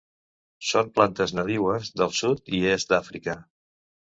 Són plantes nadiues del sud i est d'Àfrica.